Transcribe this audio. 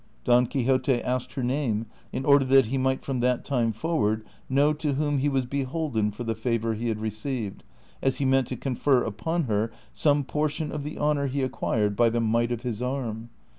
Don Quixote asked her name in order that he might from that time forward know to whom he was beholden for the favor he had received, as he meant to confer upon her some portion of the honor he acquired by the CHAPTER IV. 19 might of his arm.